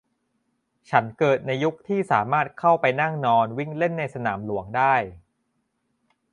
ฉันเกิดในยุคที่สามารถเข้าไปนั่งนอนวิ่งเล่นในสนามหลวงได้